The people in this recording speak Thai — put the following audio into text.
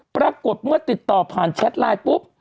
ปรากฏเมื่อติดต่อผ่านแชทไลน์ปุ๊บ